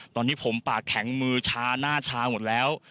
ตอนนี้ผมปากแข็งมือชาหน้าชาหมดแล้ว